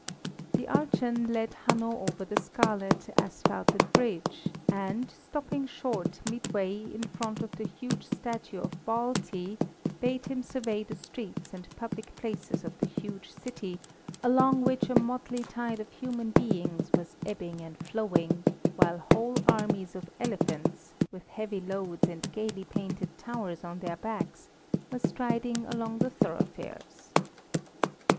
The Archon led Hanno over the scarlet, asphalted bridge, and, stopping short midway in front of the huge statue of Baalti, bade him survey the streets and public places of the huge city, along which a motley tide of human beings was ebbing and flowing, while whole armies of elephants, with heavy loads and gaily painted towers on their backs, were striding along the thoroughfares.